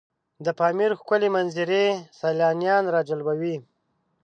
د پامیر ښکلي منظرې سیلانیان راجلبوي.